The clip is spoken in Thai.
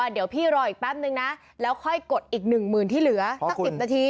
เดี๋ยวแป๊บนึงนะ